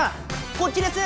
こっちです！